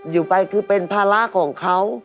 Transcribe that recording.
อยู่ไปคือเป็นภาระของเขา